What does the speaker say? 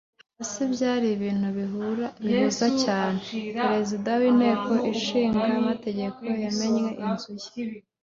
hasi. byari ibintu bihuza cyane. perezida w'inteko ishinga amategeko yamennye inzu ye